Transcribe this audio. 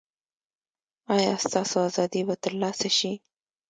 ایا ستاسو ازادي به ترلاسه شي؟